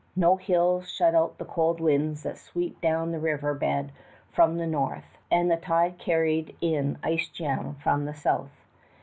No hills shut out the cold winds that swept down the river bed from the north, and the tide carried in ice jam from the south.